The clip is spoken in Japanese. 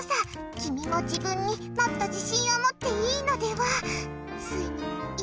君も自分にもっと自信を持っていいのでは？